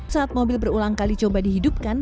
saat mobil berulang kali coba dihidupkan